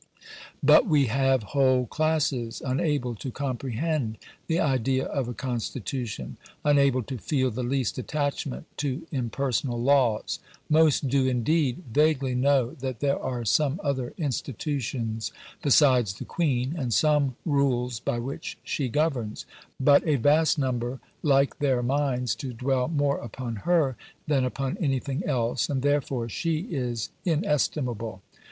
But we have whole classes unable to comprehend the idea of a constitution unable to feel the least attachment to impersonal laws. Most do indeed vaguely know that there are some other institutions besides the Queen, and some rules by which she governs. But a vast number like their minds to dwell more upon her than upon anything else, and therefore she is inestimable.